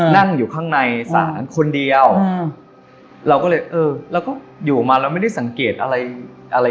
นั่งอยู่ข้างในสารคนเดียวเราก็เลยเออแล้วก็อยู่ออกมาแล้วไม่ได้สังเกตอะไรเลย